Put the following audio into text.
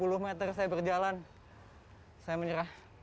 belum lima puluh meter saya berjalan saya menyerah